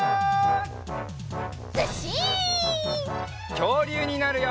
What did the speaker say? きょうりゅうになるよ！